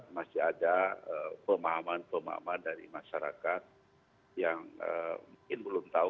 masih ada pemahaman pemahaman dari masyarakat yang mungkin belum tahu